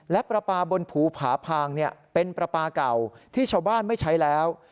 และปลาปลาบนภูผาพางเป็นปลาปลาเก่าที่ชาวบ้านไม่ใช้แล้ว